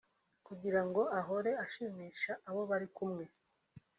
Kugira ngo ahore ashimisha abo bari kumwe